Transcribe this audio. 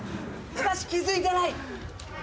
しかし気付いてない！